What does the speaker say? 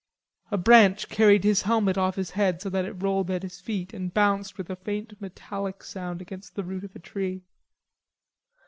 A branch carried his helmet off his head so that it rolled at his feet and bounced with a faint metallic sound against the root of a tree.